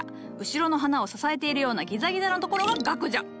後ろの花を支えているようなギザギザのところが萼じゃ。